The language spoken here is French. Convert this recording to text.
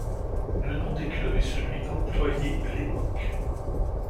Le nom des clubs est celui employés à l'époque.